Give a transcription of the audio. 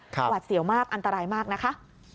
หวัดเสี่ยวมากอันตรายมากนะคะ